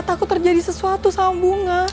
takut terjadi sesuatu sama bunga